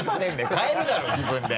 買えるだろ自分で！